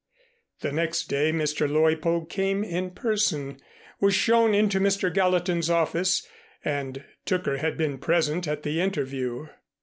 The next day Mr. Leuppold came in person, was shown into Mr. Gallatin's office and Tooker had been present at the interview.